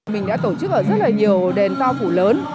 mình đã tổ chức ở rất là nhiều đền to phủ lớn